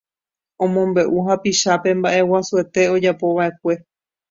Omombe'u hapichápe mba'eguasuete ojapova'ekue